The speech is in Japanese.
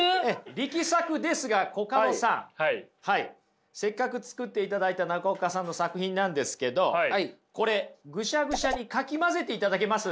力作ですがコカドさんせっかく作っていただいた中岡さんの作品なんですけどこれぐしゃぐしゃにかき混ぜていただけます？